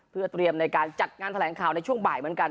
เพื่อเตรียมในการจัดงานแถลงข่าวในช่วงบ่ายเหมือนกัน